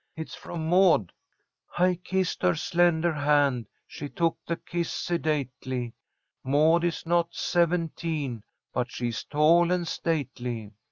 It's from 'Maud' "'I kissed her slender hand. She took the kiss sedately. Maud is not seventeen, But she is tall and stately.'